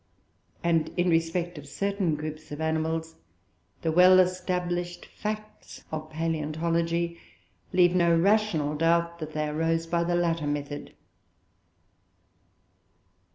And in respect of certain groups of animals, the well established facts of paleontology leave no rational doubt that they arose by the latter method.